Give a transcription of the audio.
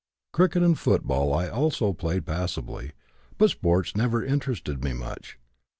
Cricket and football I also played passably, but sports never interested me much.